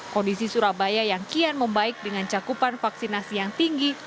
kondisi surabaya yang kian membaik dengan cakupan vaksinasi yang tinggi